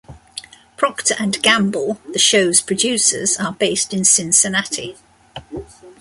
Procter and Gamble, the show's producers, are based in Cincinnati.